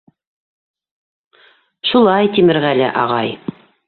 — Шулай, Тимерғәле ағай.